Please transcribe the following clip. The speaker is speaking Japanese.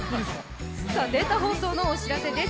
データ放送のお知らせです。